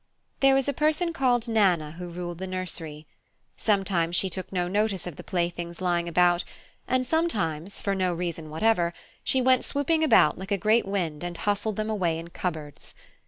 There was a person called Nana who ruled the nursery. Sometimes she took no notice of the playthings lying about, and sometimes, for no reason whatever, she went swooping about like a great wind and hustled them away in cupboards.